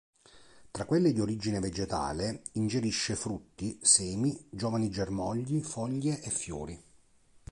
Tra quelle di origine vegetale, ingerisce frutti, semi, giovani germogli, foglie e fiori.